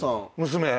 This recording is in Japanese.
娘。